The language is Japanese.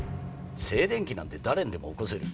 静電気なんて誰にでも起こせる。